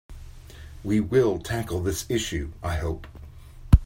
We will tackle this issue, I hope.